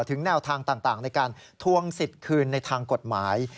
ถึงแนวทางต่างในการทวงสิทธิ์คืนในทางกฎหมาย